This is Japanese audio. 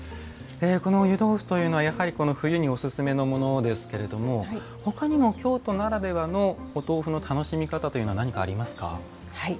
この湯豆腐というのはやはりこの冬におすすめのものですけれどもほかにも京都ならではのお豆腐の楽しみ方というのは何かありますか？